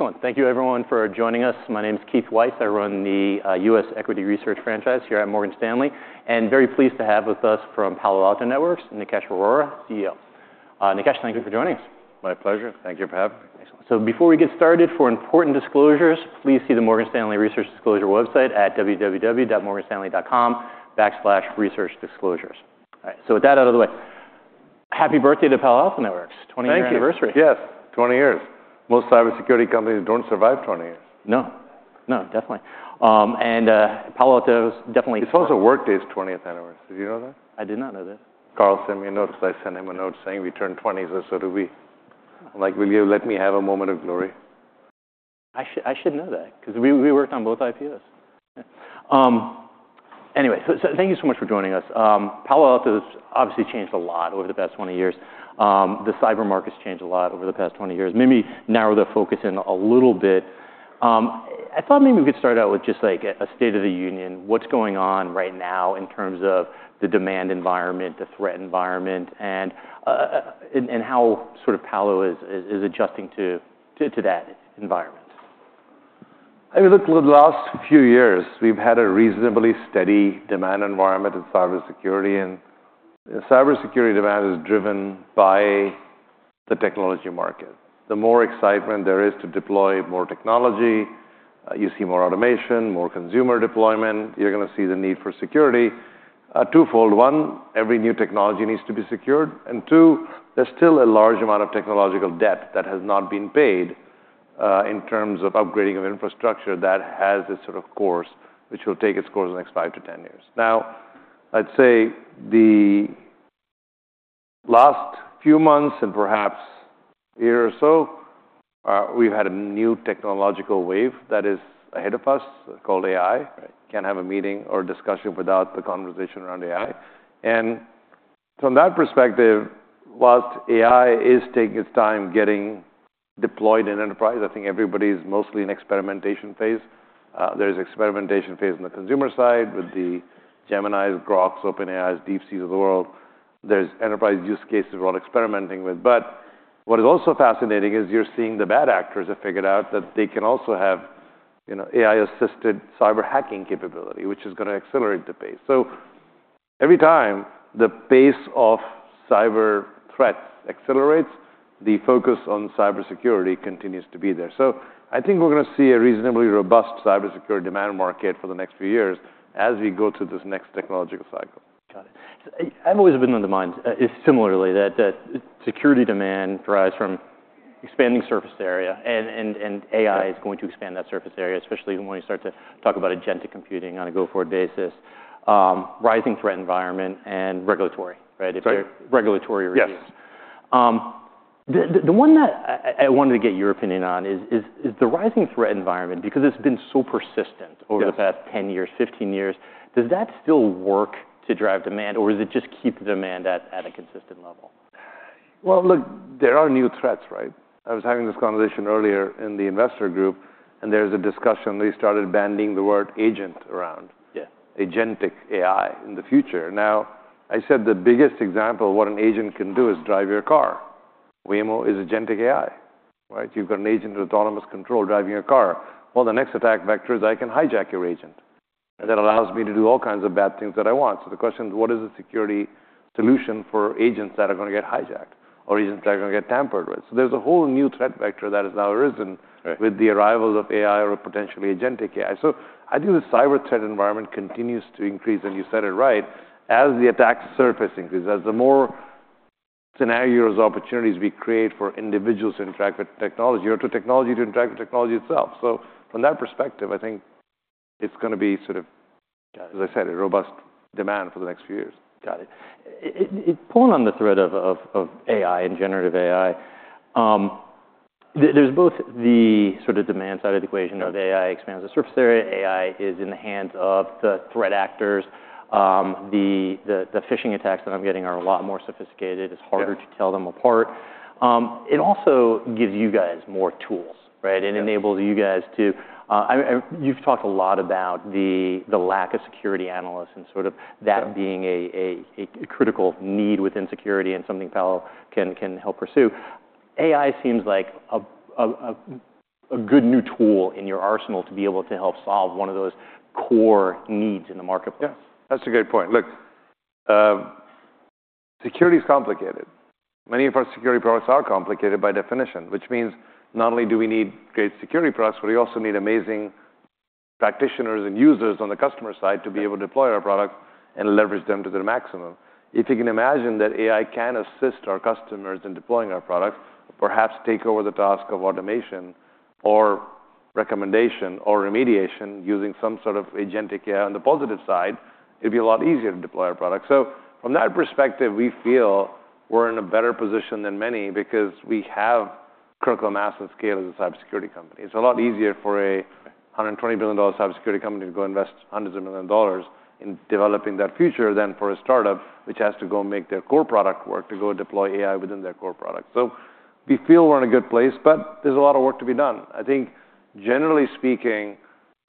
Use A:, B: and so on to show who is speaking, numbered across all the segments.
A: Excellent. Thank you, everyone, for joining us. My name is Keith Weiss. I run the U.S. Equity Research franchise here at Morgan Stanley, and I'm very pleased to have with us from Palo Alto Networks, Nikesh Arora, Chairman and CEO, thank you for joining us.
B: My pleasure. Thank you for having me.
A: Excellent. Before we get started, for important disclosures, please see the Morgan Stanley Research Disclosure website at www.morganstanley.com/researchdisclosures. All right. With that out of the way, happy birthday to Palo Alto Networks. 20-year anniversary.
B: Thank you. Yes. 20 years. Most cybersecurity companies don't survive 20 years.
A: No. No, definitely. And Palo Alto is definitely.
B: It's also Workday's 20th anniversary. Did you know that?
A: I did not know that.
B: Carl sent me a note. I sent him a note saying, "We turned 20, so so do we." I'm like, "Will you let me have a moment of glory?
A: I should know that because we worked on both IPOs. Anyway, so thank you so much for joining us. Palo Alto has obviously changed a lot over the past 20 years. The cyber markets changed a lot over the past 20 years. Maybe narrow the focus in a little bit. I thought maybe we could start out with just like a state of the union. What's going on right now in terms of the demand environment, the threat environment, and how sort of Palo is adjusting to that environment?
B: I mean, look, the last few years, we've had a reasonably steady demand environment in cybersecurity, and cybersecurity demand is driven by the technology market. The more excitement there is to deploy more technology, you see more automation, more consumer deployment, you're going to see the need for security. Twofold. One, every new technology needs to be secured, and two, there's still a large amount of technical debt that has not been paid in terms of upgrading of infrastructure that has its own course, which will take its course in the next 5 to 10 years. Now, I'd say the last few months and perhaps a year or so, we've had a new technological wave that is ahead of us called AI. Can't have a meeting or discussion without the conversation around AI. From that perspective, while AI is taking its time getting deployed in enterprise, I think everybody's mostly in an experimentation phase. There is an experimentation phase on the consumer side with the Gemini's, Grok's, OpenAI's, DeepSeek's of the world. There's enterprise use cases we're all experimenting with. But what is also fascinating is you're seeing the bad actors have figured out that they can also have AI-assisted cyber hacking capability, which is going to accelerate the pace. So every time the pace of cyber threats accelerates, the focus on cybersecurity continues to be there. So I think we're going to see a reasonably robust cybersecurity demand market for the next few years as we go through this next technological cycle.
A: Got it. I've always been of the mind similarly that security demand drives from expanding surface area, and AI is going to expand that surface area, especially when you start to talk about agentic computing on a go-forward basis, rising threat environment, and regulatory, right?
B: Exactly.
A: Regulatory reviews. The one that I wanted to get your opinion on is the rising threat environment, because it's been so persistent over the past 10 years, 15 years. Does that still work to drive demand, or does it just keep the demand at a consistent level?
B: Look, there are new threats, right? I was having this conversation earlier in the investor group, and there's a discussion. They started bandying the word agent around. Agentic AI in the future. Now, I said the biggest example of what an agent can do is drive your car. Waymo is agentic AI, right? You've got an agent with autonomous control driving your car. The next attack vector is I can hijack your agent. And that allows me to do all kinds of bad things that I want. So the question is, what is the security solution for agents that are going to get hijacked or agents that are going to get tampered with? So there's a whole new threat vector that has now arisen with the arrival of AI or potentially agentic AI. So I think the cyber threat environment continues to increase, and you said it right, as the attack surface increase, as the more scenarios and opportunities we create for individuals to interact with technology or for technology to interact with technology itself. So from that perspective, I think it's going to be sort of, as I said, a robust demand for the next few years.
A: Got it. Pulling on the thread of AI and generative AI, there's both the sort of demand side of the equation of AI expands the surface area. AI is in the hands of the threat actors. The phishing attacks that I'm getting are a lot more sophisticated. It's harder to tell them apart. It also gives you guys more tools, right? It enables you guys to, I mean, you've talked a lot about the lack of security analysts and sort of that being a critical need within security and something Palo can help pursue. AI seems like a good new tool in your arsenal to be able to help solve one of those core needs in the marketplace.
B: Yeah. That's a good point. Look, security is complicated. Many of our security products are complicated by definition, which means not only do we need great security products, but we also need amazing practitioners and users on the customer side to be able to deploy our products and leverage them to their maximum. If you can imagine that AI can assist our customers in deploying our products, perhaps take over the task of automation or recommendation or remediation using some sort of agentic AI on the positive side, it'd be a lot easier to deploy our products. So from that perspective, we feel we're in a better position than many because we have critical mass and scale as a cybersecurity company. It's a lot easier for a $120 billion cybersecurity company to go invest hundreds of million dollars in developing that future than for a startup which has to go make their core product work to go deploy AI within their core product. So we feel we're in a good place, but there's a lot of work to be done. I think, generally speaking,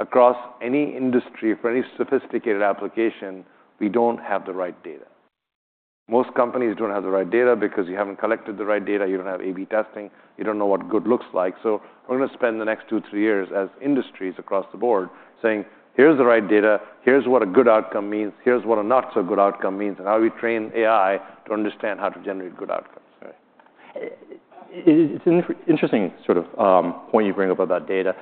B: across any industry for any sophisticated application, we don't have the right data. Most companies don't have the right data because you haven't collected the right data. You don't have A/B testing. You don't know what good looks like. So we're going to spend the next two, three years as industries across the board saying, "Here's the right data. Here's what a good outcome means. Here's what a not-so-good outcome means. And how do we train AI to understand how to generate good outcomes?
A: Right. It's an interesting sort of point you bring up about data.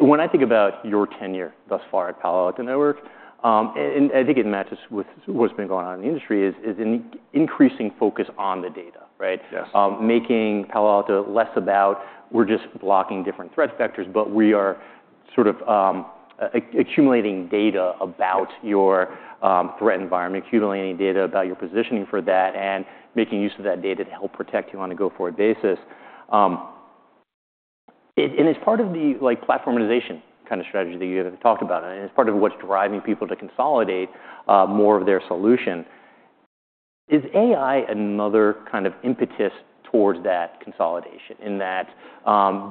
A: When I think about your tenure thus far at Palo Alto Networks, and I think it matches with what's been going on in the industry, is an increasing focus on the data, right?
B: Yes.
A: Making Palo Alto less about, "We're just blocking different threat vectors, but we are sort of accumulating data about your threat environment, accumulating data about your positioning for that, and making use of that data to help protect you on a go-forward basis." And it's part of the platformization kind of strategy that you have talked about, and it's part of what's driving people to consolidate more of their solution. Is AI another kind of impetus towards that consolidation in that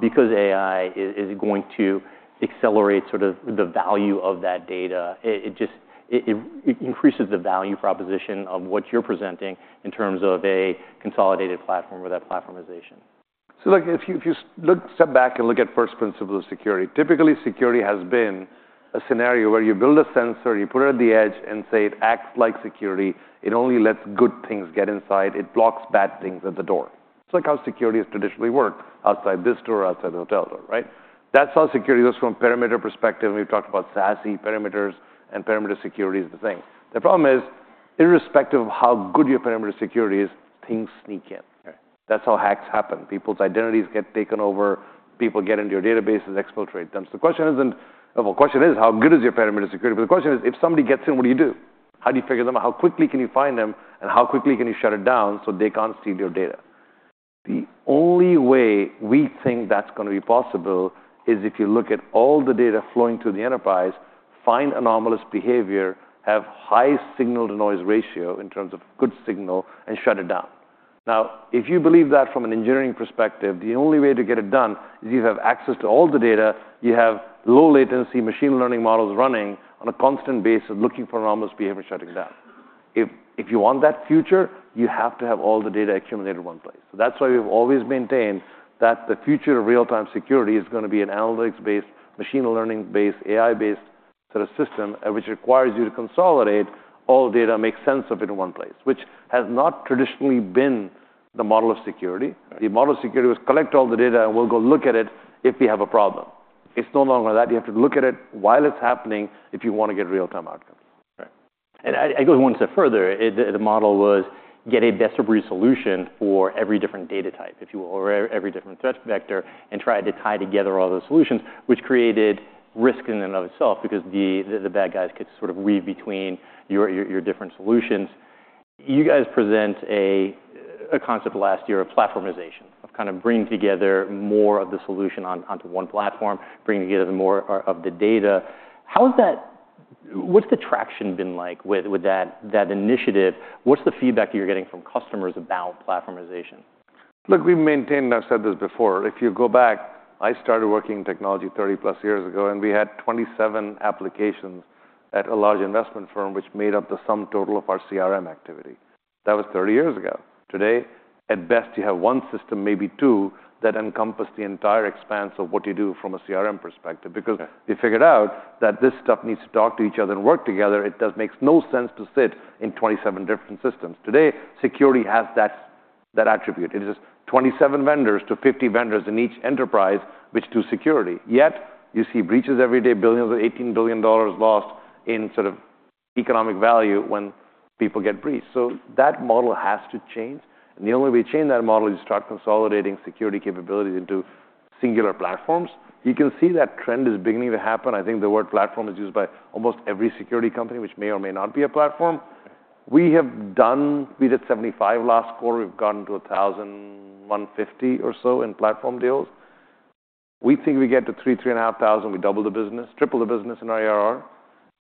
A: because AI is going to accelerate sort of the value of that data, it just increases the value proposition of what you're presenting in terms of a consolidated platform or that platformization?
B: So look, if you step back and look at first principles of security, typically security has been a scenario where you build a sensor, you put it at the edge, and say it acts like security. It only lets good things get inside. It blocks bad things at the door. It's like how security has traditionally worked outside this door, outside the hotel door, right? That's how security works from a perimeter perspective. We've talked about SASE perimeters and perimeter security as the thing. The problem is, irrespective of how good your perimeter security is, things sneak in. That's how hacks happen. People's identities get taken over. People get into your databases, exploit them. So the question isn't, well, the question is, how good is your perimeter security? But the question is, if somebody gets in, what do you do? How do you figure them out? How quickly can you find them? And how quickly can you shut it down so they can't steal your data? The only way we think that's going to be possible is if you look at all the data flowing through the enterprise, find anomalous behavior, have high signal-to-noise ratio in terms of good signal, and shut it down. Now, if you believe that from an engineering perspective, the only way to get it done is you have access to all the data. You have low-latency machine learning models running on a constant basis looking for anomalous behavior and shutting it down. If you want that future, you have to have all the data accumulated in one place. So that's why we've always maintained that the future of real-time security is going to be an analytics-based, machine learning-based, AI-based sort of system which requires you to consolidate all data, make sense of it in one place, which has not traditionally been the model of security. The model of security was collect all the data and we'll go look at it if we have a problem. It's no longer that. You have to look at it while it's happening if you want to get real-time outcomes.
A: Right. And I go one step further. The model was get a best-of-breed solution for every different data type, if you will, or every different threat vector, and try to tie together all those solutions, which created risk in and of itself because the bad guys could sort of weave between your different solutions. You guys present a concept last year of platformization, of kind of bringing together more of the solution onto one platform, bringing together more of the data. How has that? What's the traction been like with that initiative? What's the feedback you're getting from customers about platformization?
B: Look, we've maintained. I've said this before. If you go back, I started working in technology 30-plus years ago, and we had 27 applications at a large investment firm which made up the sum total of our CRM activity. That was 30 years ago. Today, at best, you have one system, maybe two, that encompass the entire expanse of what you do from a CRM perspective because we figured out that this stuff needs to talk to each other and work together. It makes no sense to sit in 27 different systems. Today, security has that attribute. It is 27 vendors to 50 vendors in each enterprise which do security. Yet you see breaches every day, billions of $18 billion lost in sort of economic value when people get breached. So that model has to change. The only way we change that model is you start consolidating security capabilities into singular platforms. You can see that trend is beginning to happen. I think the word platform is used by almost every security company, which may or may not be a platform. We did 75 last quarter. We've gotten to 1,150 or so in platform deals. We think we get to 3,000, 3,500. We double the business, triple the business in our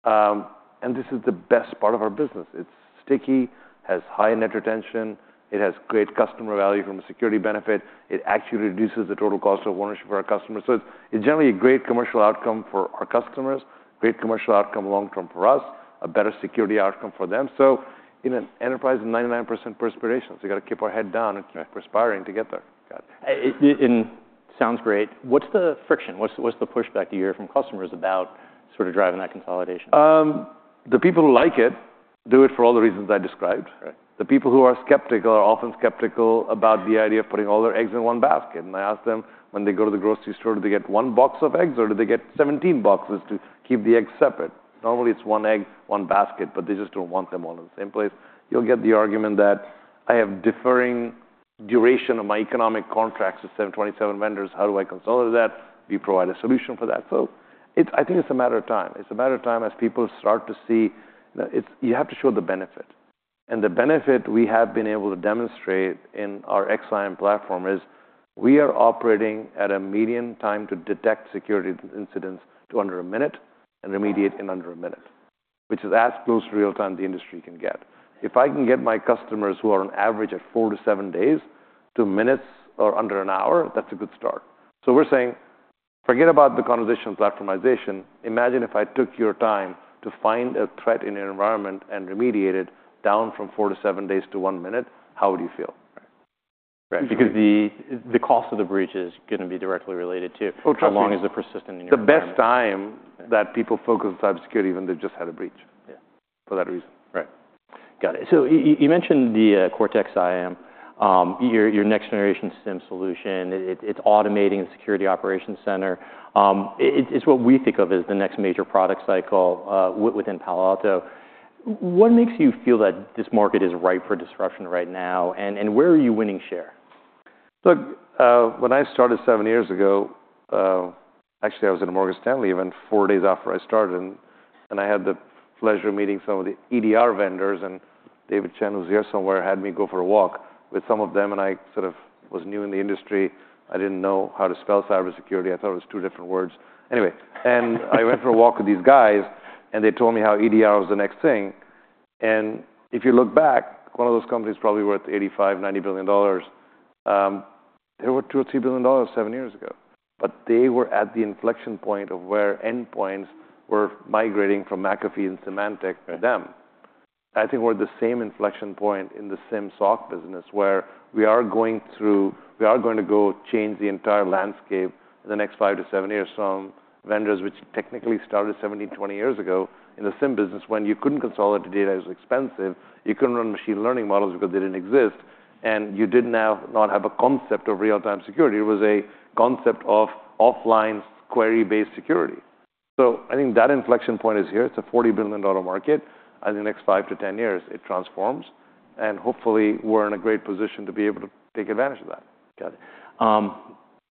B: ARR. And this is the best part of our business. It's sticky, has high net retention. It has great customer value from a security benefit. It actually reduces the total cost of ownership for our customers. So it's generally a great commercial outcome for our customers, great commercial outcome long-term for us, a better security outcome for them. So in an enterprise of 99% perspiration, so you got to keep our head down and keep perspiring to get there.
A: Got it. And sounds great. What's the friction? What's the pushback you hear from customers about sort of driving that consolidation?
B: The people who like it do it for all the reasons I described. The people who are skeptical are often skeptical about the idea of putting all their eggs in one basket, and I ask them when they go to the grocery store, do they get one box of eggs or do they get 17 boxes to keep the eggs separate? Normally, it's one egg, one basket, but they just don't want them all in the same place. You'll get the argument that I have differing duration of my economic contracts with 727 vendors. How do I consolidate that? We provide a solution for that, so I think it's a matter of time. It's a matter of time as people start to see you have to show the benefit. And the benefit we have been able to demonstrate in our XSIAM platform is we are operating at a median time to detect security incidents to under a minute and remediate in under a minute, which is as close to real-time as the industry can get. If I can get my customers who are on average at four to seven days to minutes or under an hour, that's a good start. So we're saying, forget about the conversation of platformization. Imagine if I took your time to find a threat in your environment and remediate it down from four to seven days to one minute. How would you feel?
A: Right. Because the cost of the breach is going to be directly related to how long is it persistent in your environment.
B: The best time that people focus on cybersecurity when they've just had a breach for that reason.
A: Right. Got it. So you mentioned the Cortex XSIEM, your next-generation SIEM solution. It's automating the security operations center. It's what we think of as the next major product cycle within Palo Alto. What makes you feel that this market is ripe for disruption right now? And where are you winning share?
B: Look, when I started seven years ago, actually, I was at a Morgan Stanley event four days after I started, and I had the pleasure of meeting some of the EDR vendors. And David Chen, who's here somewhere, had me go for a walk with some of them, and I sort of was new in the industry. I didn't know how to spell cybersecurity. I thought it was two different words. Anyway, and I went for a walk with these guys, and they told me how EDR was the next thing. And if you look back, one of those companies is probably worth $85-$90 billion. They were $2 or $3 billion seven years ago, but they were at the inflection point of where endpoints were migrating from McAfee and Symantec to them. I think we're at the same inflection point in the SIEM SOC business where we are going to change the entire landscape in the next five to seven years. Some vendors which technically started 17, 20 years ago in the SIEM business, when you couldn't consolidate the data, it was expensive. You couldn't run machine learning models because they didn't exist. And you did not have a concept of real-time security. It was a concept of offline query-based security. So I think that inflection point is here. It's a $40 billion market. In the next five to ten years, it transforms. And hopefully, we're in a great position to be able to take advantage of that.
A: Got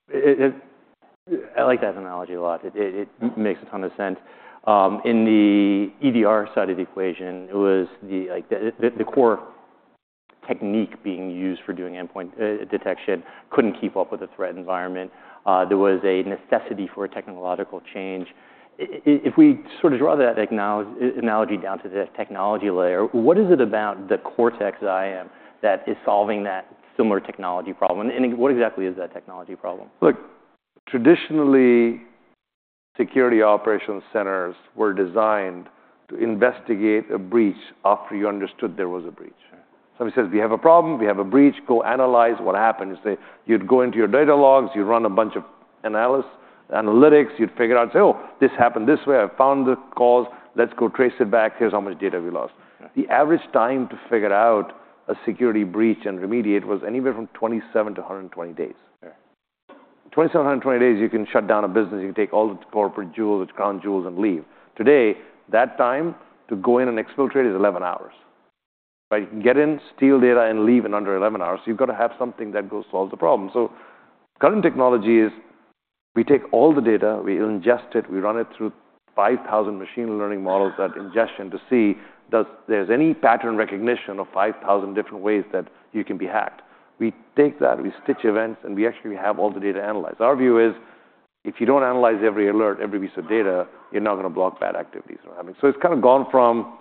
A: it. I like that analogy a lot. It makes a ton of sense. In the EDR side of the equation, it was the core technique being used for doing endpoint detection couldn't keep up with a threat environment. There was a necessity for a technological change. If we sort of draw that analogy down to the technology layer, what is it about the Cortex XSIAM that is solving that similar technology problem? And what exactly is that technology problem?
B: Look, traditionally, security operations centers were designed to investigate a breach after you understood there was a breach. Somebody says, "We have a problem. We have a breach. Go analyze what happened." You'd say you'd go into your data logs. You'd run a bunch of analytics. You'd figure out, "Oh, this happened this way. I found the cause. Let's go trace it back. Here's how much data we lost." The average time to figure out a security breach and remediate was anywhere from 27-120 days. In 27-120 days, you can shut down a business. You can take all the corporate jewels, the crown jewels, and leave. Today, that time to go in and exfiltrate is 11 hours. You can get in, steal data, and leave in under 11 hours. So you've got to have something that goes to solve the problem. So current technology is we take all the data. We ingest it. We run it through 5,000 machine learning models that ingestion to see if there's any pattern recognition of 5,000 different ways that you can be hacked. We take that. We stitch events. And we actually have all the data analyzed. Our view is if you don't analyze every alert, every piece of data, you're not going to block bad activities from happening. So it's kind of gone from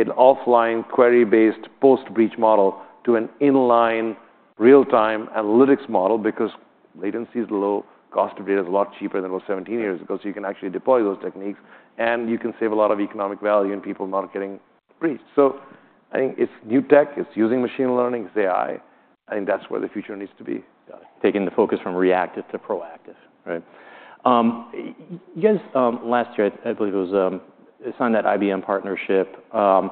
B: an offline query-based post-breach model to an inline real-time analytics model because latency is low. Cost of data is a lot cheaper than it was 17 years ago. So you can actually deploy those techniques. And you can save a lot of economic value in people not getting breached. So I think it's new tech. It's using machine learning. It's AI. I think that's where the future needs to be.
A: Taking the focus from reactive to proactive.
B: Right.
A: You guys, last year I believe it was a signed the IBM partnership was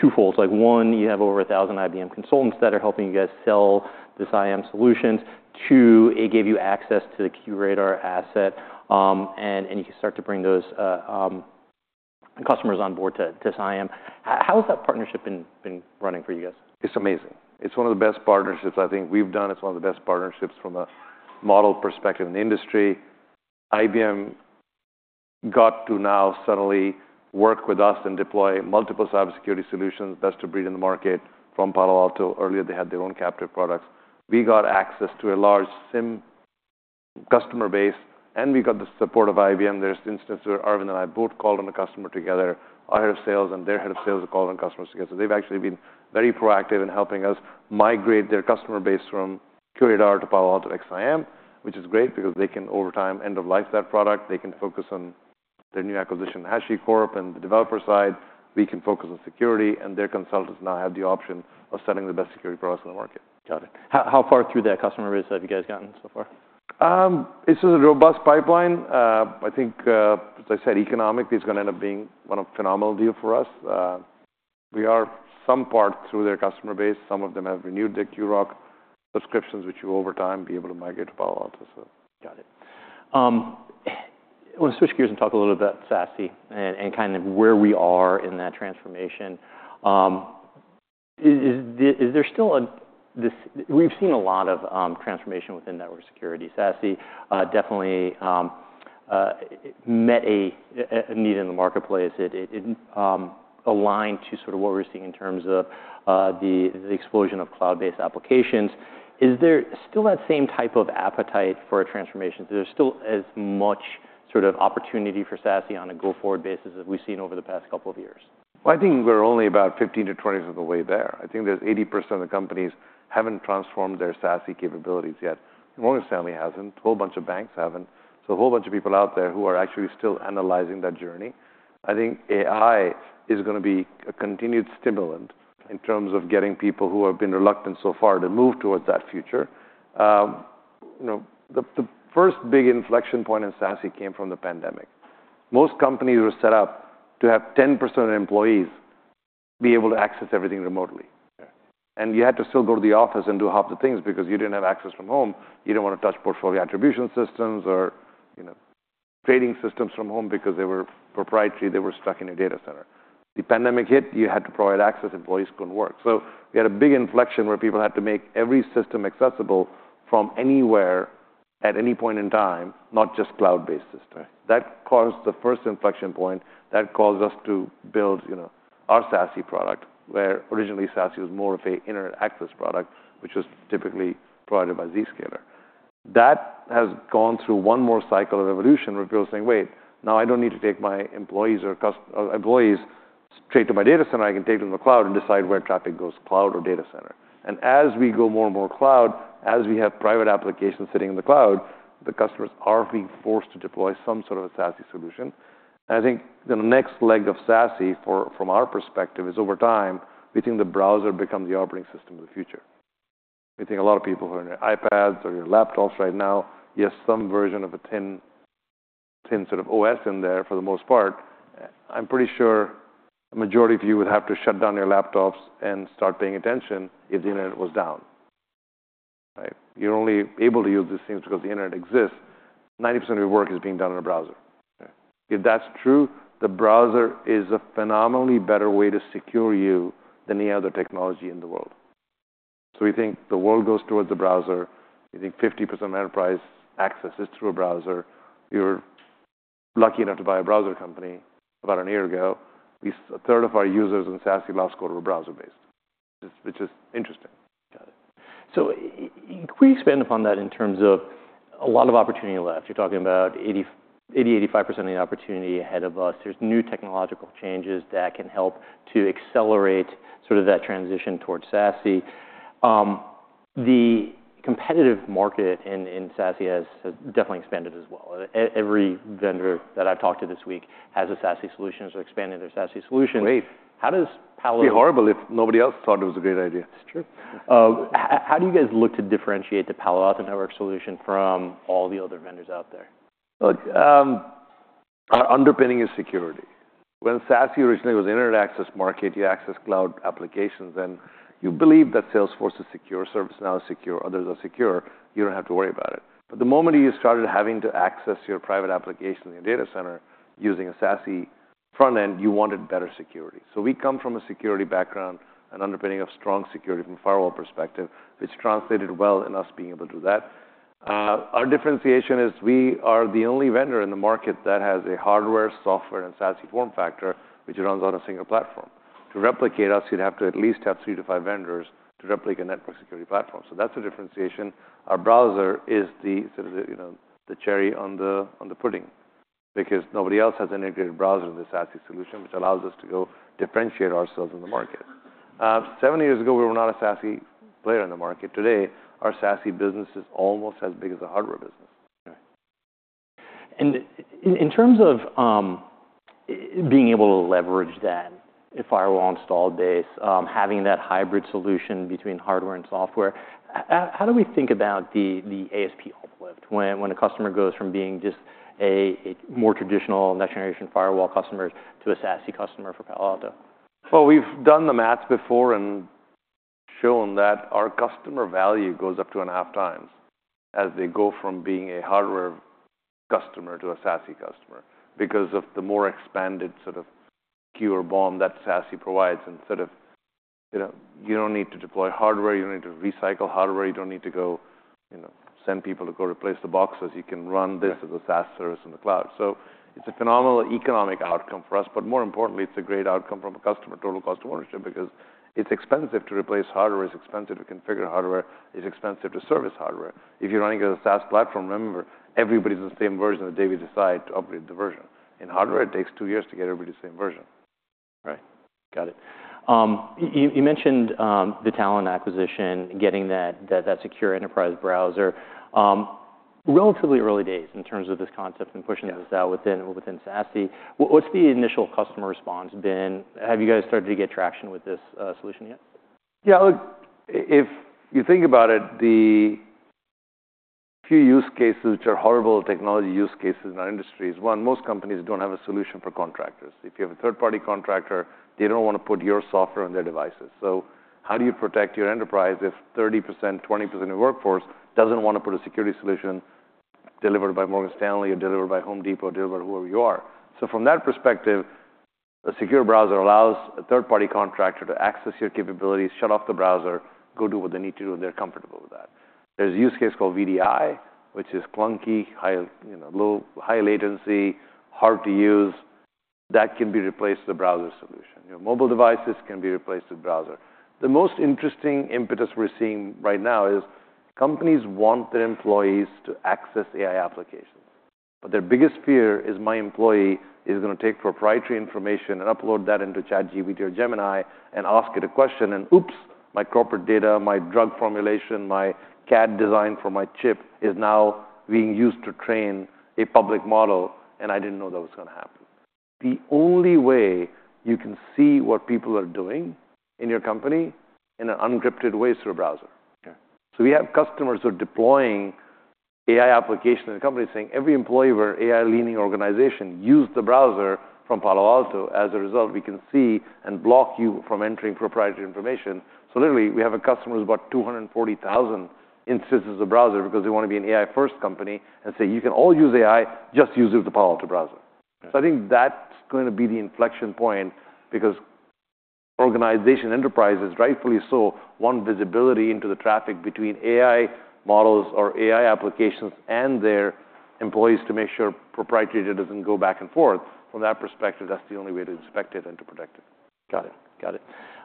A: twofold. One, you have over 1,000 IBM consultants that are helping you guys sell this IAM solutions. Two, it gave you access to the QRadar asset. And you can start to bring those customers on board to this IAM. How has that partnership been running for you guys?
B: It's amazing. It's one of the best partnerships I think we've done. It's one of the best partnerships from a model perspective in the industry. IBM got to now suddenly work with us and deploy multiple cybersecurity solutions, best-of-breed in the market from Palo Alto. Earlier, they had their own captive products. We got access to a large SIEM customer base. And we got the support of IBM. There's instances where Arvind and I both called on a customer together. Our head of sales and their head of sales have called on customers together. So they've actually been very proactive in helping us migrate their customer base from QRadar to Cortex XSIAM, which is great because they can, over time, end of life that product. They can focus on their new acquisition, HashiCorp, and the developer side. We can focus on security. Their consultants now have the option of setting the best security products on the market.
A: Got it. How far through that customer base have you guys gotten so far?
B: This is a robust pipeline. I think, as I said, economically, it's going to end up being a phenomenal deal for us. We are some part through their customer base. Some of them have renewed their QRoC subscriptions, which will, over time, be able to migrate to Palo Alto.
A: Got it. I want to switch gears and talk a little bit about SASE and kind of where we are in that transformation. Is there still? We've seen a lot of transformation within network security. SASE definitely met a need in the marketplace. It aligned to sort of what we're seeing in terms of the explosion of cloud-based applications. Is there still that same type of appetite for a transformation? Is there still as much sort of opportunity for SASE on a go-forward basis as we've seen over the past couple of years?
B: I think we're only about 15%-20% of the way there. I think there's 80% of the companies that haven't transformed their SASE capabilities yet. Morgan Stanley hasn't. A whole bunch of banks haven't. So a whole bunch of people out there who are actually still analyzing that journey. I think AI is going to be a continued stimulant in terms of getting people who have been reluctant so far to move towards that future. The first big inflection point in SASE came from the pandemic. Most companies were set up to have 10% of employees be able to access everything remotely. You had to still go to the office and do half the things because you didn't have access from home. You didn't want to touch portfolio attribution systems or trading systems from home because they were proprietary. They were stuck in your data center. The pandemic hit. You had to provide access. Employees couldn't work. So we had a big inflection where people had to make every system accessible from anywhere at any point in time, not just cloud-based systems. That caused the first inflection point. That caused us to build our SASE product where originally SASE was more of an internet access product, which was typically provided by Zscaler. That has gone through one more cycle of evolution where people are saying, "Wait. Now I don't need to take my employees straight to my data center. I can take them to the cloud and decide where traffic goes, cloud or data center." And as we go more and more cloud, as we have private applications sitting in the cloud, the customers are being forced to deploy some sort of a SASE solution. I think the next leg of SASE from our perspective is over time, we think the browser becomes the operating system of the future. We think a lot of people who are on their iPads or their laptops right now, you have some version of a thin sort of OS in there for the most part. I'm pretty sure a majority of you would have to shut down your laptops and start paying attention if the internet was down. You're only able to use these things because the internet exists. 90% of your work is being done in a browser. If that's true, the browser is a phenomenally better way to secure you than any other technology in the world. So we think the world goes towards the browser. We think 50% of enterprise access is through a browser. You were lucky enough to buy a browser company about a year ago. A third of our users in SASE last quarter were browser-based, which is interesting.
A: Got it. So can we expand upon that in terms of a lot of opportunity left? You're talking about 80%-85% of the opportunity ahead of us. There's new technological changes that can help to accelerate sort of that transition towards SASE. The competitive market in SASE has definitely expanded as well. Every vendor that I've talked to this week has a SASE solution or expanded their SASE solution.
B: Great.
A: How does Palo Alto?
B: It'd be horrible if nobody else thought it was a great idea.
A: It's true. How do you guys look to differentiate the Palo Alto Networks solution from all the other vendors out there?
B: Look, our underpinning is security. When SASE originally was an internet access market, you accessed cloud applications. And you believed that Salesforce is secure, ServiceNow is secure, others are secure. You don't have to worry about it. But the moment you started having to access your private applications in your data center using a SASE front end, you wanted better security. So we come from a security background and underpinning of strong security from a firewall perspective, which translated well in us being able to do that. Our differentiation is we are the only vendor in the market that has a hardware, software, and SASE form factor which runs on a single platform. To replicate us, you'd have to at least have three to five vendors to replicate a network security platform. So that's a differentiation. Our browser is the cherry on the pudding because nobody else has an integrated browser in the SASE solution, which allows us to go differentiate ourselves in the market. Seven years ago, we were not a SASE player in the market. Today, our SASE business is almost as big as a hardware business.
A: And in terms of being able to leverage that firewall install base, having that hybrid solution between hardware and software, how do we think about the ASP uplift when a customer goes from being just a more traditional next-generation firewall customer to a SASE customer for Palo Alto?
B: We've done the math before and shown that our customer value goes up to one and a half times as they go from being a hardware customer to a SASE customer because of the more expanded sort of QRoC that SASE provides. You don't need to deploy hardware. You don't need to recycle hardware. You don't need to go send people to go replace the boxes. You can run this as a SaaS service in the cloud. It's a phenomenal economic outcome for us. More importantly, it's a great outcome from a customer total cost of ownership because it's expensive to replace hardware. It's expensive to configure hardware. It's expensive to service hardware. If you're running a SaaS platform, remember, everybody's on the same version the day we decide to upgrade the version. In hardware, it takes two years to get everybody to the same version.
A: Right. Got it. You mentioned the Talon acquisition, getting that secure enterprise browser. Relatively early days in terms of this concept and pushing this out within SASE. What's the initial customer response been? Have you guys started to get traction with this solution yet?
B: Yeah. Look, if you think about it, the few use cases, which are horrible technology use cases in our industry is, one, most companies don't have a solution for contractors. If you have a third-party contractor, they don't want to put your software on their devices. So how do you protect your enterprise if 30%, 20% of your workforce doesn't want to put a security solution delivered by Morgan Stanley or delivered by Home Depot or delivered whoever you are? So from that perspective, a secure browser allows a third-party contractor to access your capabilities, shut off the browser, go do what they need to do, and they're comfortable with that. There's a use case called VDI, which is clunky, high latency, hard to use. That can be replaced with a browser solution. Your mobile devices can be replaced with a browser. The most interesting impetus we're seeing right now is companies want their employees to access AI applications. But their biggest fear is, "My employee is going to take proprietary information and upload that into ChatGPT or Gemini and ask it a question." And oops, my corporate data, my drug formulation, my CAD design for my chip is now being used to train a public model. And I didn't know that was going to happen. The only way you can see what people are doing in your company in an unencrypted way is through a browser. So we have customers who are deploying AI applications in the company saying, "Every employee of our AI-leaning organization use the browser from Palo Alto. As a result, we can see and block you from entering proprietary information." So literally, we have a customer who's bought 240,000 instances of the browser because they want to be an AI-first company and say, "You can all use AI. Just use it with the Palo Alto browser." So I think that's going to be the inflection point because organization enterprises, rightfully so, want visibility into the traffic between AI models or AI applications and their employees to make sure proprietary data doesn't go back and forth. From that perspective, that's the only way to inspect it and to protect it.
A: Got it. Got it.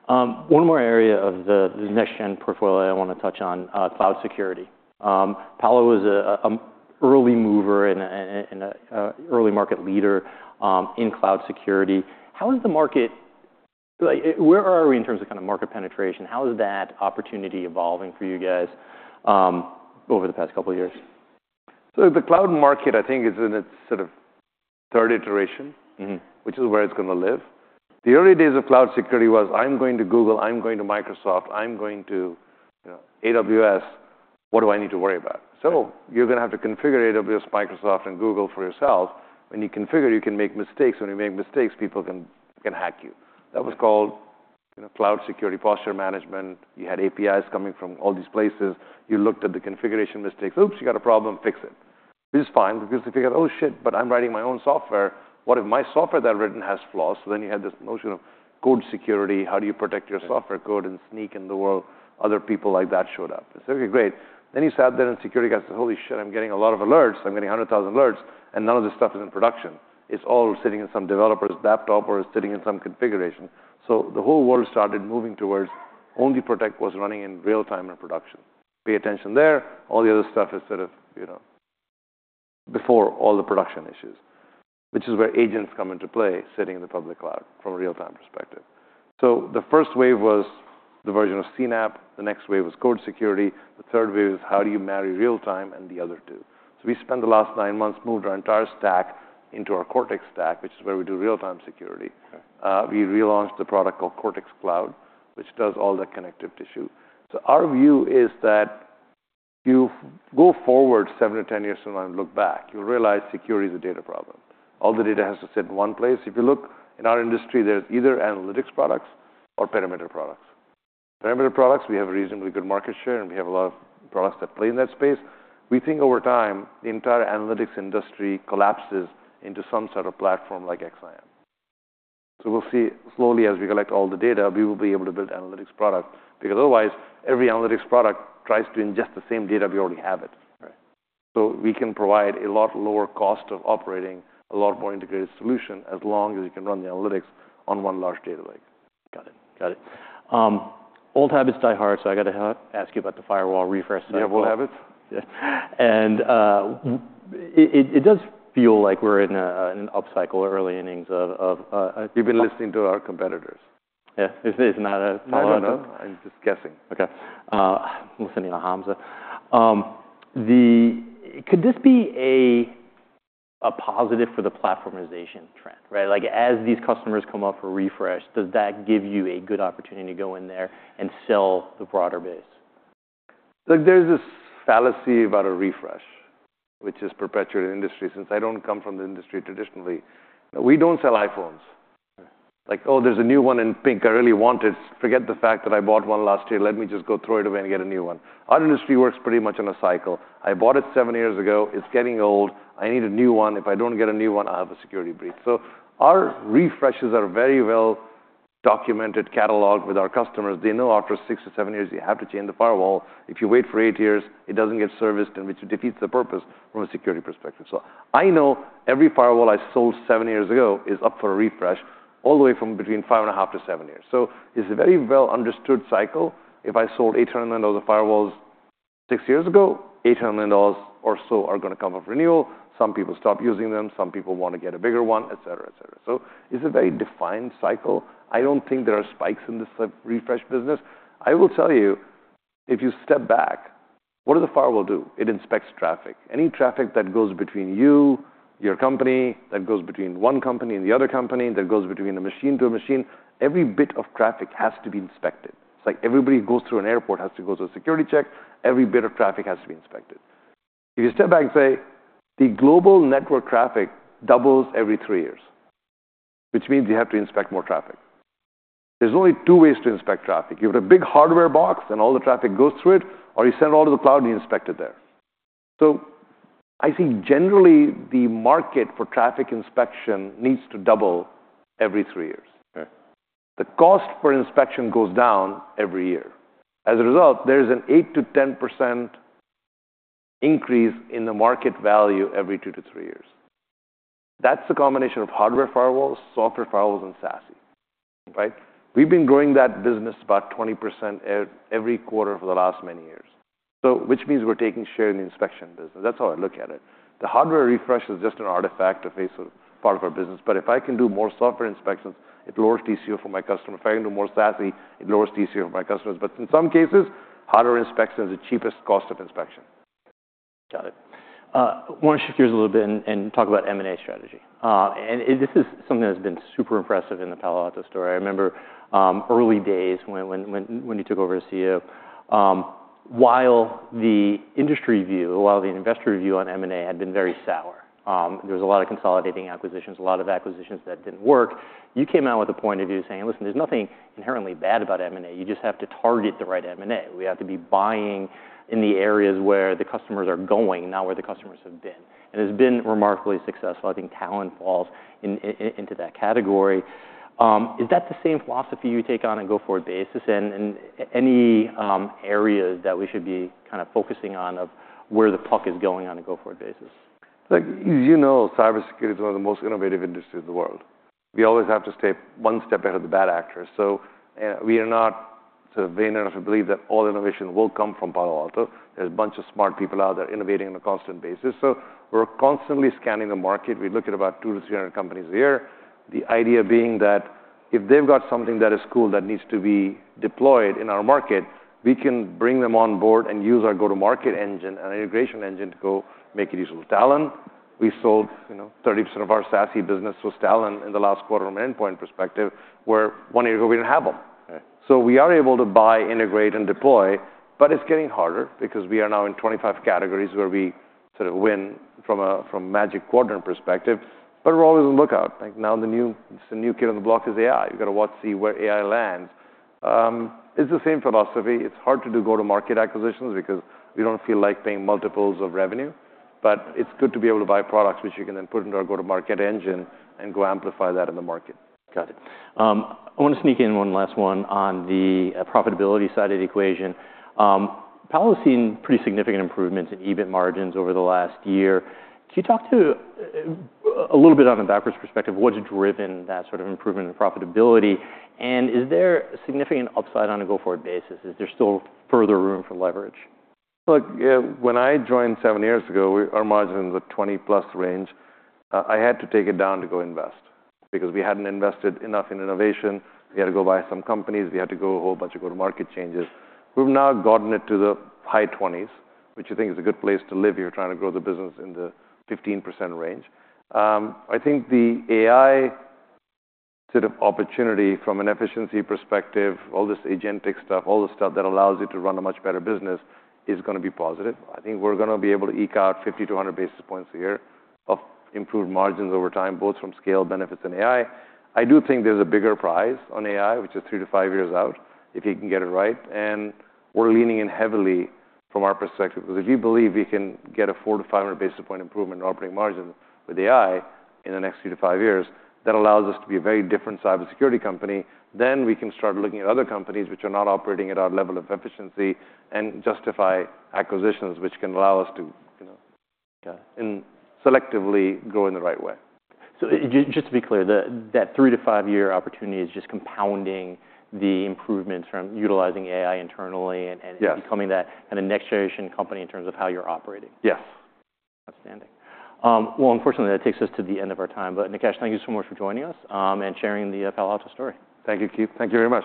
A: One more area of the next-gen portfolio I want to touch on, cloud security. Palo was an early mover and an early market leader in cloud security. How has the market, where are we in terms of kind of market penetration? How is that opportunity evolving for you guys over the past couple of years?
B: So the cloud market, I think, is in its sort of third iteration, which is where it's going to live. The early days of cloud security was, "I'm going to Google. I'm going to Microsoft. I'm going to AWS. What do I need to worry about?" So you're going to have to configure AWS, Microsoft, and Google for yourself. When you configure, you can make mistakes. When you make mistakes, people can hack you. That was called cloud security posture management. You had APIs coming from all these places. You looked at the configuration mistakes. Oops, you got a problem. Fix it. It was fine because if you go, "Oh shit, but I'm writing my own software. What if my software that I've written has flaws?" So then you had this notion of code security. How do you protect your software code and secure in the world? Other people like that showed up. They said, "Okay, great." Then you sat there in security and said, "Holy shit, I'm getting a lot of alerts. I'm getting 100,000 alerts. And none of this stuff is in production. It's all sitting in some developer's laptop or it's sitting in some configuration." So the whole world started moving towards only protect what's running in real time in production. Pay attention there. All the other stuff is sort of before all the production issues, which is where agents come into play sitting in the public cloud from a real-time perspective. So the first wave was the version of CNAP. The next wave was code security. The third wave was how do you marry real time and the other two. So we spent the last nine months moved our entire stack into our Cortex stack, which is where we do real-time security. We relaunched the product called Cortex Cloud, which does all that connective tissue. So our view is that if you go forward seven or 10 years from now and look back, you'll realize security is a data problem. All the data has to sit in one place. If you look in our industry, there's either analytics products or perimeter products. Perimeter products, we have a reasonably good market share. And we have a lot of products that play in that space. We think over time, the entire analytics industry collapses into some sort of platform like XSIAM. So we'll see slowly as we collect all the data, we will be able to build analytics products because otherwise every analytics product tries to ingest the same data we already have it. So we can provide a lot lower cost of operating a lot more integrated solution as long as you can run the analytics on one large data lake.
A: Got it. Got it. Old habits die hard. So I got to ask you about the firewall refresh.
B: Do you have old habits?
A: Yeah, and it does feel like we're in an upcycle early innings of.
B: You've been listening to our competitors.
A: Yeah. It's not a problem.
B: No, no, no. I'm just guessing.
A: Okay. I'm listening to Hamza. Could this be a positive for the platformization trend? As these customers come up for refresh, does that give you a good opportunity to go in there and sell the broader base?
B: There's this fallacy about a refresh, which is perpetuated in the industry since I don't come from the industry traditionally. We don't sell iPhones. Like, "Oh, there's a new one in pink. I really want it. Forget the fact that I bought one last year. Let me just go throw it away and get a new one." Our industry works pretty much on a cycle. I bought it seven years ago. It's getting old. I need a new one. If I don't get a new one, I'll have a security breach. So our refreshes are very well documented, cataloged with our customers. They know after six or seven years, you have to change the firewall. If you wait for eight years, it doesn't get serviced, which defeats the purpose from a security perspective. I know every firewall I sold seven years ago is up for a refresh all the way from between five and a half to seven years. So it's a very well-understood cycle. If I sold $800 million of the firewalls six years ago, $800 million or so are going to come off renewal. Some people stop using them. Some people want to get a bigger one, et cetera, et cetera. So it's a very defined cycle. I don't think there are spikes in this refresh business. I will tell you, if you step back, what does the firewall do? It inspects traffic. Any traffic that goes between you, your company, that goes between one company and the other company, that goes between a machine to a machine, every bit of traffic has to be inspected. It's like everybody who goes through an airport has to go through a security check. Every bit of traffic has to be inspected. If you step back and say, "The global network traffic doubles every three years," which means you have to inspect more traffic. There's only two ways to inspect traffic. You put a big hardware box and all the traffic goes through it, or you send it all to the cloud and you inspect it there. So I think generally the market for traffic inspection needs to double every three years. The cost for inspection goes down every year. As a result, there is an 8%-10% increase in the market value every two to three years. That's a combination of hardware firewalls, software firewalls, and SASE. We've been growing that business about 20% every quarter for the last many years, which means we're taking share in the inspection business. That's how I look at it. The hardware refresh is just an artifact of a part of our business. But if I can do more software inspections, it lowers TCO for my customers. If I can do more SASE, it lowers TCO for my customers. But in some cases, hardware inspection is the cheapest cost of inspection.
A: Got it. I want to shift gears a little bit and talk about M&A strategy. And this is something that's been super impressive in the Palo Alto story. I remember early days when you took over as CEO. While the industry view, while the investor view on M&A had been very sour, there was a lot of consolidating acquisitions, a lot of acquisitions that didn't work, you came out with a point of view saying, "Listen, there's nothing inherently bad about M&A. You just have to target the right M&A. We have to be buying in the areas where the customers are going, not where the customers have been." And it's been remarkably successful. I think Talon falls into that category. Is that the same philosophy you take on a go-forward basis? Any areas that we should be kind of focusing on of where the puck is going on a go-forward basis?
B: As you know, cybersecurity is one of the most innovative industries in the world. We always have to stay one step ahead of the bad actors, so we are not sort of vain enough to believe that all innovation will come from Palo Alto. There's a bunch of smart people out there innovating on a constant basis, so we're constantly scanning the market. We look at about two to three hundred companies a year. The idea being that if they've got something that is cool that needs to be deployed in our market, we can bring them on board and use our go-to-market engine and integration engine to go make it useful. Talon, we sold 30% of our SASE business was Talon in the last quarter from an endpoint perspective where one year ago we didn't have them, so we are able to buy, integrate, and deploy. But it's getting harder because we are now in 25 categories where we sort of win from a Magic Quadrant perspective. But we're always on the lookout. Now the new kid on the block is AI. You've got to watch and see where AI lands. It's the same philosophy. It's hard to do go-to-market acquisitions because we don't feel like paying multiples of revenue. But it's good to be able to buy products, which you can then put into our go-to-market engine and go amplify that in the market.
A: Got it. I want to sneak in one last one on the profitability side of the equation. Palo has seen pretty significant improvements in EBIT margins over the last year. Can you talk to a little bit on a backwards perspective? What's driven that sort of improvement in profitability? And is there significant upside on a go-forward basis? Is there still further room for leverage?
B: Look, when I joined seven years ago, our margin was a 20-plus range. I had to take it down to go invest because we hadn't invested enough in innovation. We had to go buy some companies. We had to go a whole bunch of go-to-market changes. We've now gotten it to the high 20s, which I think is a good place to live if you're trying to grow the business in the 15% range. I think the AI sort of opportunity from an efficiency perspective, all this agentic stuff, all the stuff that allows you to run a much better business is going to be positive. I think we're going to be able to eke out 50 to 100 basis points a year of improved margins over time, both from scale, benefits, and AI. I do think there's a bigger prize on AI, which is three to five years out if you can get it right, and we're leaning in heavily from our perspective because if you believe we can get a 4-500 basis points improvement in operating margins with AI in the next three to five years, that allows us to be a very different cybersecurity company, then we can start looking at other companies which are not operating at our level of efficiency and justify acquisitions, which can allow us to selectively grow in the right way.
A: So just to be clear, that three-to-five-year opportunity is just compounding the improvements from utilizing AI internally and becoming that kind of next-generation company in terms of how you're operating.
B: Yes.
A: Outstanding. Unfortunately, that takes us to the end of our time. Nikesh, thank you so much for joining us and sharing the Palo Alto story.
B: Thank you, Keith. Thank you very much.